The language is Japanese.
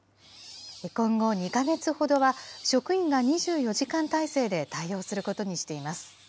今後、２か月ほどは職員が２４時間体制で対応することにしています。